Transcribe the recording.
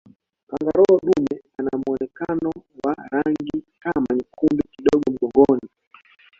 kangaroo dume anamuonekano wa rangi kama nyekundu kidogo mgongoni